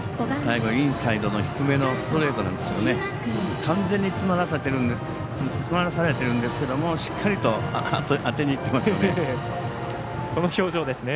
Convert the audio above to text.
最後、インサイドの低めのストレートなんですけど完全に詰まらされているんですけれどもしっかりと当てにいってますよね。